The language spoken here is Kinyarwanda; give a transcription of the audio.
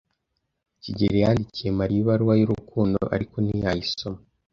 kigeli yandikiye Mariya ibaruwa y'urukundo, ariko ntiyayisoma.